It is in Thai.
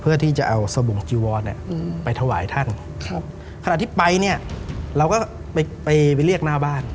เพื่อที่จะเอาสบู่จีวรไปถวายท่านครับขณะที่ไปเนี่ยเราก็ไปเรียกหน้าบ้าน